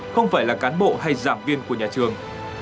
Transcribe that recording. không phải là cán bộ hay giảng viên của nhà trường